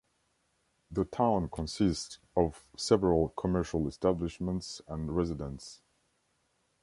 The town consists of several commercial establishments and residents.